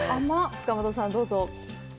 塚本さん、どうぞ。